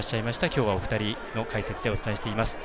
きょうはお二人の解説でお伝えしています。